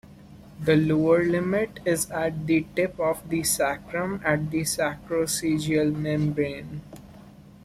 The lower limit is at the tip of the sacrum, at the sacrococcygeal membrane.